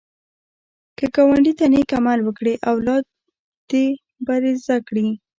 که ګاونډي ته نېک عمل وکړې، اولاد دې به زده کړي